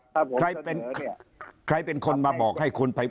ถ้าแต่ผมเข้าใจ